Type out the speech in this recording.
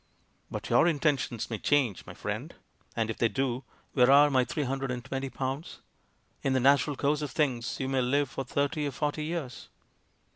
"But your intentions may change, my friend! And if they do, where are my three hundred and 230 THE MAN WHO UNDERSTOOD WOMEN twenty pounds? In the natural course of things, you may live for thirty or forty years."